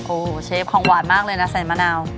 โอ้โหเชฟของหวานมากเลยนะใส่มะนาว